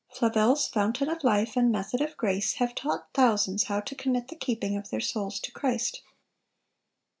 Flavel's "Fountain of Life" and "Method of Grace" have taught thousands how to commit the keeping of their souls to Christ.